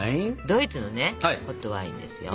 ドイツのねホットワインですよ。